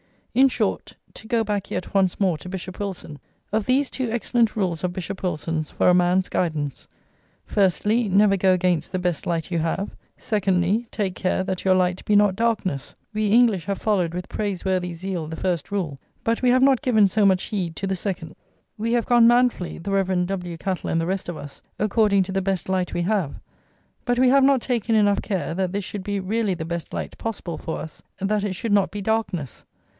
In short, to go back yet once more to Bishop Wilson, of these two excellent rules of Bishop Wilson's for a man's guidance: "Firstly, never go against the best light you have; secondly, take care that your light be not darkness," we English have followed with praiseworthy zeal the first rule, but we have not given so much heed to the second. We have gone manfully, the Rev. W. Cattle and the rest of us, according to the best light we have; but we have not taken enough care that this should be really the best light possible for us, that it should not be darkness.